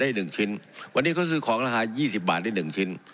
ที่หนึ่งชิ้นวันนี้เขาซื้อของราคายี่สิบบาทที่หนึ่งชิ้น